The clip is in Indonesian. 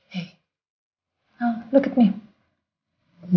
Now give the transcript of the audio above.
hey al lihatlah aku